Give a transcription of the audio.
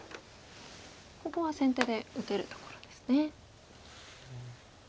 ここは先手で打てるところですね。